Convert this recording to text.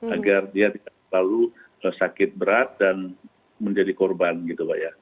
agar dia tidak terlalu sakit berat dan menjadi korban gitu pak ya